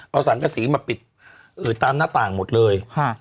เอาสังกษีมาปิดตามหน้าต่างหมดเลย